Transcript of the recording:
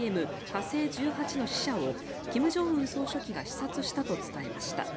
火星１８の試射を金正恩総書記が視察したと伝えました。